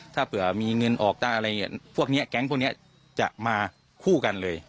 ถ้าเผื่อมีเงินออกได้อะไรพวกนี้แก๊งพวกนี้จะมาคู่กันเลย